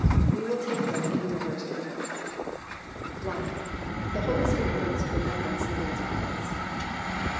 We will take them in the reverse order. I. _The Holy Spirit brings to remembrance the words of Christ.